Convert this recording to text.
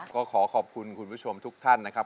ก็ขอขอบคุณคุณผู้ชมทุกท่านนะครับ